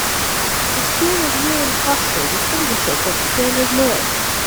Its beard and kneeling posture distinguish it from standard moai.